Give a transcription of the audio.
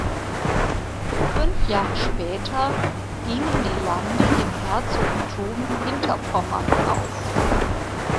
Fünf Jahre später gingen die Lande im Herzogtum Hinterpommern auf.